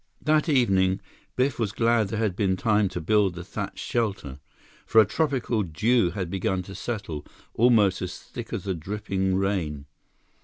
That evening, Biff was glad there had been time to build the thatched shelter, for a tropical dew had begun to settle, almost as thick as a dripping rain.